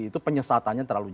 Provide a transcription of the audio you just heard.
itu penyesatannya terlalu jauh